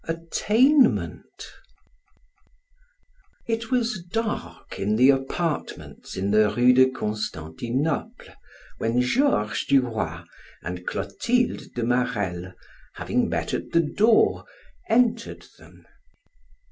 ATTAINMENT It was dark in the apartments in the Rue de Constantinople, when Georges du Roy and Clotilde de Marelle, having met at the door, entered them.